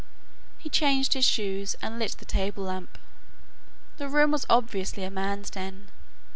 He changed his shoes, and lit the table lamp. The room was obviously a man's den.